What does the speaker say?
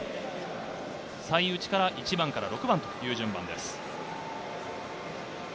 最内から１番から６番という順番です。